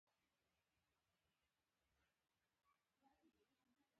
• هوښیار سړی له تېرو تجربو زدهکړه کوي.